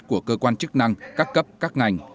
của cơ quan chức năng các cấp các ngành